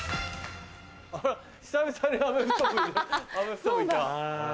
あら久々にアメフト部いた。